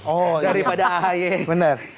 oh ya daripada ahaye benar